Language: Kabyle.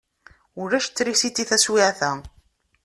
Ulac trisiti taswiɛt-a.